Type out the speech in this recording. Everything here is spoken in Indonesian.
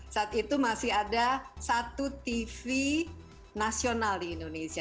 saat itu masih ada satu tv nasional di indonesia